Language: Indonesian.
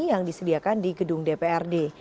yang disediakan di gedung dprd